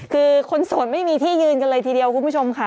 คือคนโสดไม่มีที่ยืนกันเลยทีเดียวคุณผู้ชมค่ะ